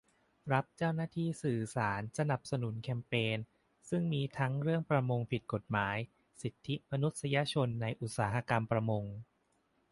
รับเจ้าหน้าที่สื่อสารสนับสนุนแคมเปญทะเล ซึ่งมีทั้งเรื่องประมงผิดกฎหมาย สิทธิมนุษยชนในอุตสาหกรรมประมง